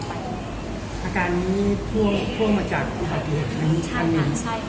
แล้วก็น้องเป็นคนเก่งเป็นสำ